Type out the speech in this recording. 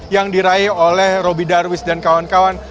yang diraih oleh robby darwish dan kawan kawan